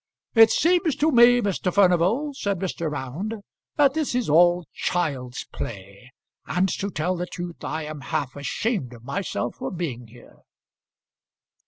"It seems to me, Mr. Furnival," said Mr. Round, "that this is all child's play, and to tell the truth I am half ashamed of myself for being here."